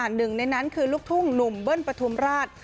หนึ่งในนั้นคือลูกทุ่งหนุ่มเบิ้ลปฐุมราช